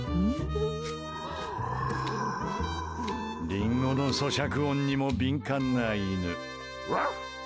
リンゴの咀嚼音にも敏感な犬。